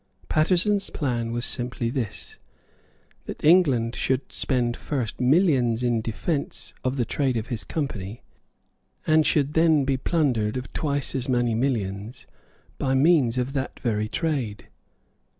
Paterson's plan was simply this, that England should first spend millions in defence of the trade of his Company, and should then be plundered of twice as many millions by means of that very trade.